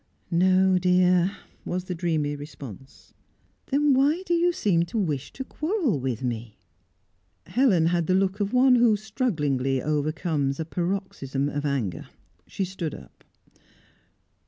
"No, dear," was the dreamy response. "Then why do you seem to wish to quarrel with me?" Helen had the look of one who strugglingly overcomes a paroxysm of anger. She stood up.